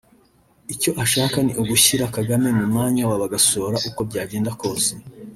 icyo ashaka ni ugushyira Kagame mu mwanya wa Bagosora uko byagenda kose